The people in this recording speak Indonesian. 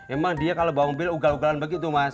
emang dia kalau bawa mobil ugal ugalan begitu mas